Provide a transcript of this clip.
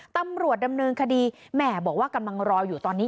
ตำรวจดำเนินคดีแหม่บอกว่ากำลังรออยู่ตอนนี้